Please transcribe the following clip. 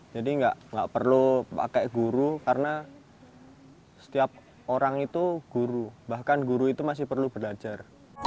jadi nggak perlu pakai guru karena setiap orang itu guru bahkan guru itu masih perlu belajar